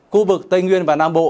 khu vực tây nguyên và nam bộ